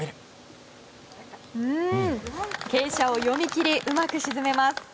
傾斜を読みきりうまく沈めます。